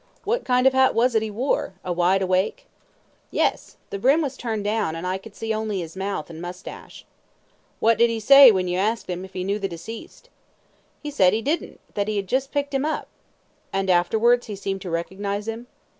Q. What kind of hat was it he wore a wide awake? A. Yes. The brim was turned down, and I could see only his mouth and moustache. Q. What did he say when you asked him if he knew the deceased? A. He said he didn't; that he had just picked him up. Q. And afterwards he seemed to recognise him?